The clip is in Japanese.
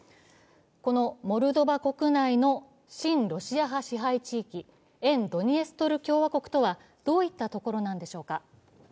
このモルドバ国内の親ロシア派支配地域、沿ドニエストル共和国とはどういったところなんでしょうか。